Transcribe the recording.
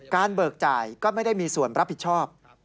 เบิกจ่ายก็ไม่ได้มีส่วนรับผิดชอบ